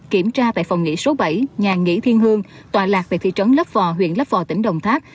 kiểm tra tại phòng nghỉ số bảy nhà nghỉ thiên hương tòa lạc về thị trấn lập hò huyện lập hò tỉnh đồng tháp